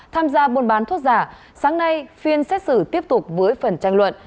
tham gia buôn bán thuốc giả sáng nay phiên xét xử tiếp tục với phần tranh luận